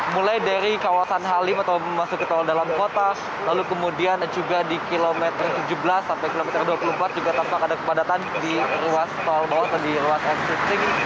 mulai dari kawasan halim atau memasuki tol dalam kota lalu kemudian juga di kilometer tujuh belas sampai kilometer dua puluh empat juga tampak ada kepadatan di ruas tol bawah atau di ruas existing